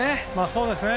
そうですね。